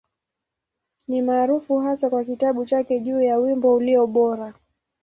Ni maarufu hasa kwa kitabu chake juu ya Wimbo Ulio Bora.